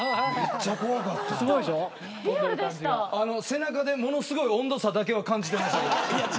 背中で、ものすごい温度差だけを感じてました。